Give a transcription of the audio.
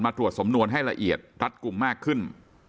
ตรวจสำนวนให้ละเอียดรัดกลุ่มมากขึ้น